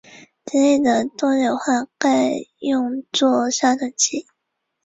布鲁克山是美国阿拉巴马州下属的一座城市。